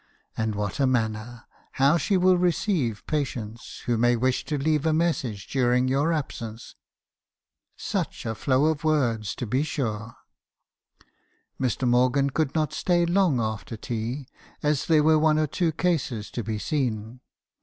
And what a manner I How she will receive patients, who may wish to leave a message during your absence ! Such a flow of words to be sure!' "Mr. Morgan could not stay long after tea, as there were one or two cases to be seen.